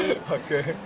jadi kita bisa menjualnya